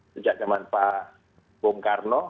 sejak zaman pak bung karno